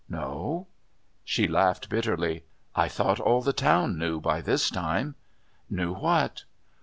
"No." She laughed bitterly. "I thought all the town knew by this time." "Knew what?"